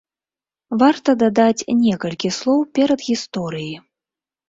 Варта дадаць некалькі слоў перадгісторыі.